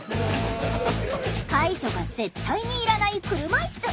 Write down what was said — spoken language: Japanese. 介助が絶対にいらない車いす。